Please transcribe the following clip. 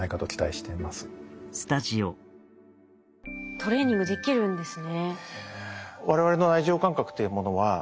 トレーニングできるんですね。